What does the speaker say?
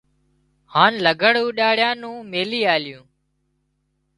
هانَ لگھڙ اوڏاڙيا نُون ميلي آليون